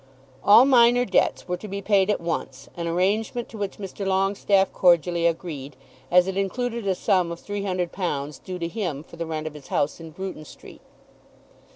All minor debts were to be paid at once; an arrangement to which Mr. Longestaffe cordially agreed, as it included a sum of £300 due to him for the rent of his house in Bruton Street.